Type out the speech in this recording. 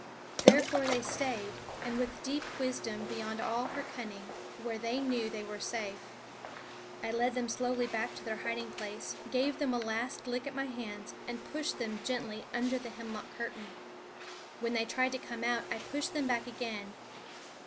Therefore they stayed, with a deep wisdom beyond all her cunning, where they knew they were safe. I led them slowly back to their hiding place, gave them a last lick at my hands, and pushed them gently under the hemlock curtain. When they tried to come out I pushed them back again.